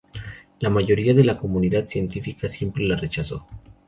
La mayoría de la comunidad científica siempre la rechazó.